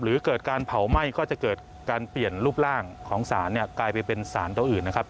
หรือเกิดการเผาไหม้ก็จะเกิดการเปลี่ยนรูปร่างของสารเนี่ยกลายไปเป็นสารตัวอื่นนะครับ